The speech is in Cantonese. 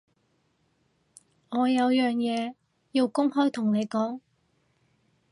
我有樣嘢要公開同你講